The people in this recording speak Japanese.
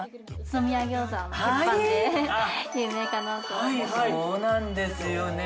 そうなんですよね